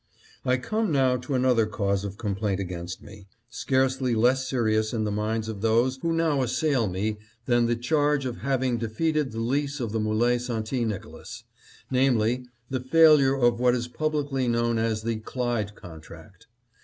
" I come now to another cause of complaint against me, scarcely less serious in the minds of those who now assail me than the charge of having defeated the lease of the M61e St. Nicolas ; namely, the failure of what is publicly know as the Clyde contract.